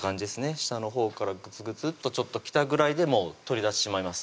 下のほうからグツグツッとちょっときたぐらいでもう取り出してしまいます